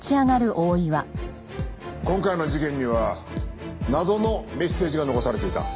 今回の事件には謎のメッセージが残されていた。